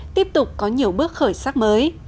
tiếp tục có nhiều bước khởi sắc mới